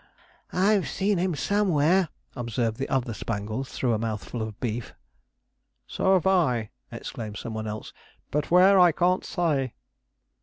'I've seen him somewhere,' observed the other Spangles, through a mouthful of beef. 'So have I,' exclaimed some one else, 'but where I can't say.'